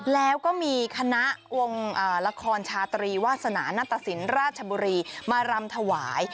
แล้วก็มีคณะองค์ละครชาตรีวาสนานัตตสินราชบุรีมารำถวาย